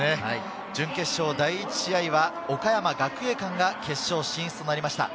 準決勝第１試合は岡山学芸館が決勝進出となりました。